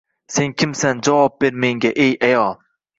Sen kimsan, javob ber menga, ey ayol?